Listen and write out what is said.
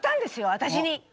私に。